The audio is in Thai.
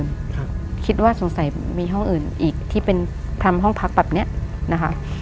ครับคิดว่าสงสัยมีห้องอื่นอีกที่เป็นทำห้องพักแบบเนี้ยนะคะ